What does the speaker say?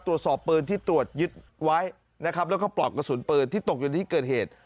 ตรวจสอบปืนที่ตรวจยึดไว้นะครับแล้วก็ปลอกกระสุนปืนที่ตกอยู่ที่เกิดเหตุ